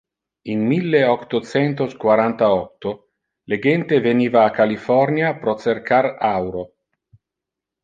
In mille octo centos quaranta-octo, le gente veniva a California pro cercar auro.